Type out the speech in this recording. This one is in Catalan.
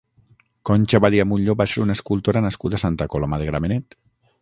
Conxa Badia Mutlló va ser una escultora nascuda a Santa Coloma de Gramenet.